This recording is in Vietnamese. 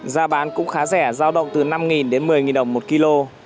giá bán cũng khá rẻ giao động từ năm đến một mươi đồng một kg